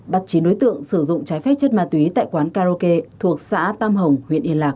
bắt chín đối tượng sử dụng trái phép chất ma túy tại quán karaoke thuộc xã tam hồng huyện yên lạc